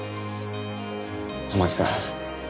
天樹さん。